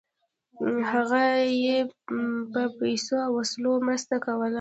هغه یې په پیسو او وسلو مرسته کوله.